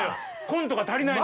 コントが足りない！